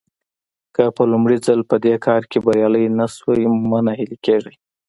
که په لومړي ځل په دې کار کې بريالي نه شوئ مه ناهيلي کېږئ.